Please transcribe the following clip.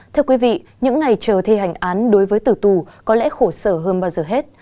thưa quý vị những ngày chờ thi hành án đối với tử tù có lẽ khổ sở hơn bao giờ hết